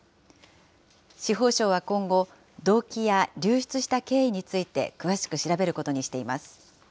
司法省は今後、動機や流出した経緯について詳しく調べることにしています。